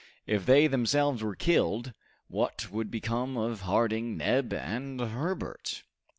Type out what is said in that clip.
If they themselves were killed, what would become of Harding, Neb, and Herbert?